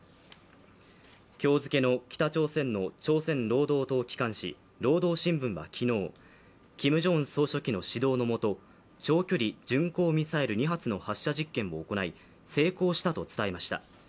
今日付の北朝鮮の朝鮮労働党機関紙「労働新聞」は昨日、キム・ジョンウン総書記の指導の下長距離巡航ミサイル２発の発射実験を行い、成功したと伝えました。